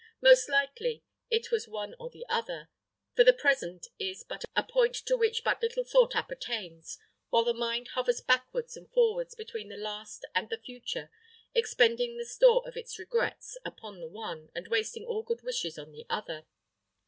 Most likely it was one or the other; for the present is but a point to which but little thought appertains, while the mind hovers backwards and forwards between the past and the future, expending the store of its regrets upon the one, and wasting all its wishes on the other.